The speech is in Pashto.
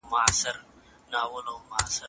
زه د حق ادا کولو لپاره مستحق یم.